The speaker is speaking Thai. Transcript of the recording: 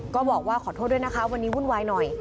ก็บอกว่าขอโทษด้วยนะคะวันนี้วุ่นวายหน่อย